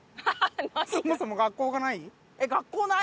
そもそも学校がない？